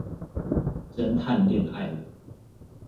偵探戀愛了